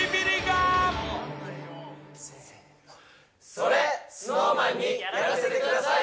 「それＳｎｏｗＭａｎにやらせて下さい」